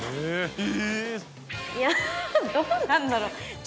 いやどうなんだろう。